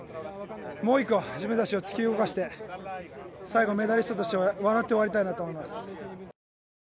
もう１個自分たちを突き動かして最後メダリストとして笑って終わりたいなと思います。